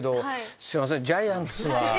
すいませんジャイアンツは？